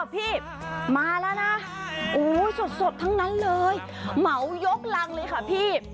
พี่มาแล้วนะสดทั้งนั้นเลยเหมายกรังเลยค่ะพี่